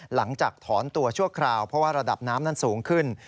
หลังจากถอนตัวชั่วคราวเพราะว่าระดับน้ำนั้นสูงขึ้น